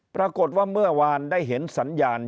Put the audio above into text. ปรากฏว่าเมื่อวานได้เห็นสัญญาณ